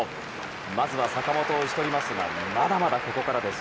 まずは坂本を打ち取りますがまだまだここからです。